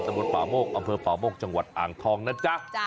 บนป่าโมกอำเภอป่าโมกจังหวัดอ่างทองนะจ๊ะ